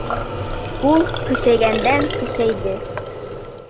Ул көсәйгәндән-көсәйҙе.